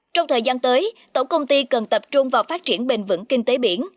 trong thời gian tới tổng công ty cần tập trung vào phát triển bền vững kinh tế biển